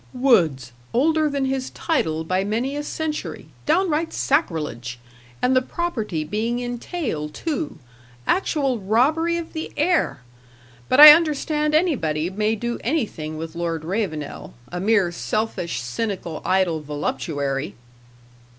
"Woods, older than his title by many a century downright sacrilege! And the property being entailed, too actual robbery of the heir! But I understand anybody may do anything with Lord Ravenel a mere selfish, cynical, idle voluptuary!"